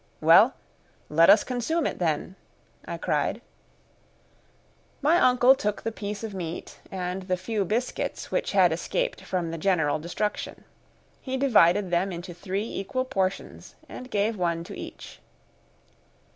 "Well, let us consume it then," I cried. My uncle took the piece of meat and the few biscuits which had escaped from the general destruction. He divided them into three equal portions and gave one to each.